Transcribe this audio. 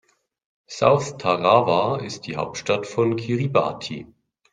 South Tarawa ist die Hauptstadt von Kiribati.